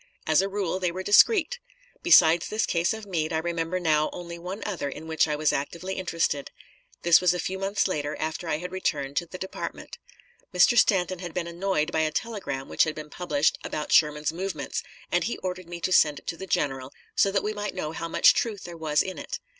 As a rule, they were discreet. Besides this case of Meade, I remember now only one other in which I was actively interested; that was a few months later, after I had returned to the department. Mr. Stanton had been annoyed by a telegram which had been published about Sherman's movements, and he ordered me to send it to the general, so that we might know how much truth there was in it.